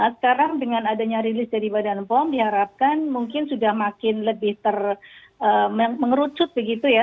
sekarang dengan adanya rilis dari badan pom diharapkan mungkin sudah makin lebih mengerucut begitu ya